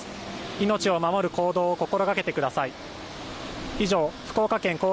命を守る行動を心がけてください